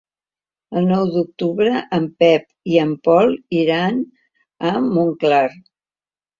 El nou d'octubre en Pep i en Pol iran a Montclar.